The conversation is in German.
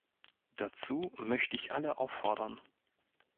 Dazu möchte ich alle auffordern.